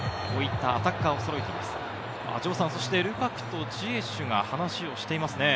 こういったアタッカーをそろえています。